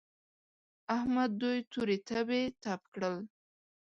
احمد دوی تورې تبې تپ کړل.